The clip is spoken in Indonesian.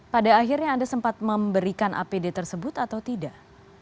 pada akhirnya anda sempat memberikan apd tersebut atau tidak